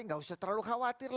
tidak usah terlalu khawatir